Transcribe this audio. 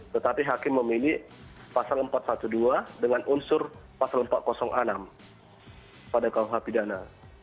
tetapi hakim memilih pasal empat ratus dua belas dengan unsur pasal empat ratus enam pada kuh pidana